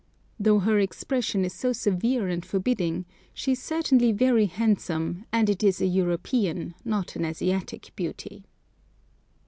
Though her expression is so severe and forbidding, she is certainly very handsome, and it is a European, not an Asiatic, beauty.